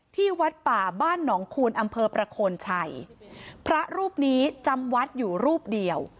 ที่วัดป่าบ้านหนองคูณอำเภอประโคนชัยพระรูปนี้จำวัดอยู่รูปเดียว